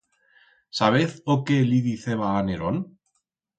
Sabez o que li deciba a Nerón?